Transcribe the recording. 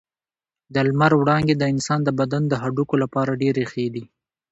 د لمر وړانګې د انسان د بدن د هډوکو لپاره ډېرې ښې دي.